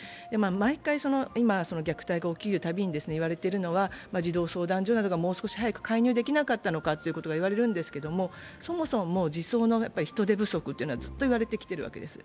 毎回、今、虐待が起きるたびに言われているのは、児童相談所などがもう少し早く介入できなかったのかということが言われるわけですが、そもそも児相の人手不足はずっと言われてきているわけです。